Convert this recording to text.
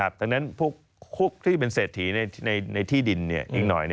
ดังนั้นพวกคุกที่เป็นเศรษฐีในที่ดินอีกหน่อย